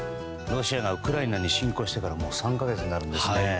ロシアがウクライナに侵攻してからもう３か月になるんですね。